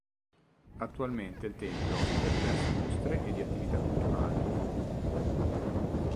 Attualmente il tempio ospita diverse mostre e di attività culturali.